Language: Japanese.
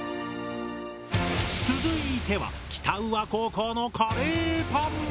続いては北宇和高校のカレーパン！